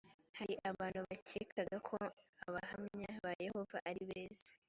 hari abantu bakekaga ko abahamya ba yehova ari beza